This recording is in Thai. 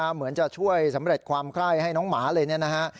เหมือนจะช่วยสำเร็จความไคร้ให้น้องหมาเลยเนี่ยนะฮะ